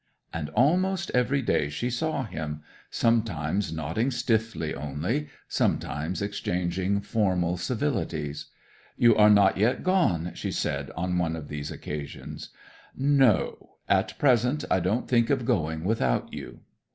'And almost every day she saw him sometimes nodding stiffly only, sometimes exchanging formal civilities. "You are not gone yet," she said on one of these occasions. '"No. At present I don't think of going without you."